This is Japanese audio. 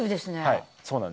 はいそうなんです。